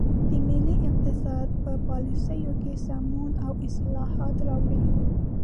د ملي اقتصاد په پالیسیو کې سمون او اصلاحات راوړي.